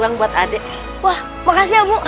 di sini nikamu jadi petugang lelaki terhormat